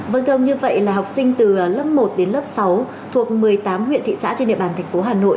vâng thưa ông như vậy là học sinh từ lớp một đến lớp sáu thuộc một mươi tám huyện thị xã trên địa bàn thành phố hà nội